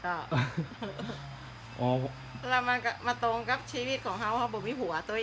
อย่างงี้